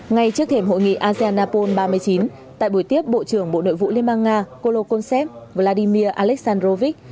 ngay trước thềm hội nghị asean napol ba mươi chín tại buổi tiếp bộ trưởng bộ nội vụ liên bang nga kolokoltsev vladimir alexandrovich